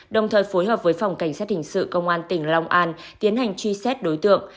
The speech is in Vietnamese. đồng thời phối hợp với phòng cảnh sát hình sự công an tỉnh long an tiến hành truy xét đối tượng